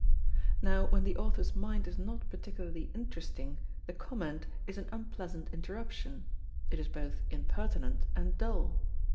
Now when the author's mind is not particularly interesting, the comment is an unpleasant interruption; it is both impertinent and dull.